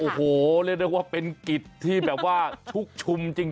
โอ้โหเรียกได้ว่าเป็นกิจที่แบบว่าชุกชุมจริง